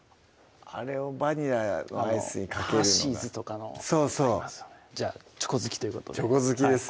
あれをバニラのアイスにかけるのがＨＥＲＳＨＥＹ’Ｓとかのそうそうじゃあチョコ好きということでチョコ好きですね